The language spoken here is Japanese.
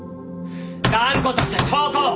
断固とした証拠を！